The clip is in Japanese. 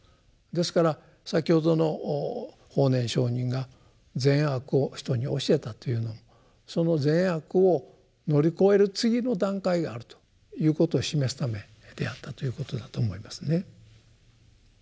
ですから先ほどの法然上人が善悪を人に教えたというのはその善悪を乗り越える次の段階があるということを示すためであったということだと思いますね。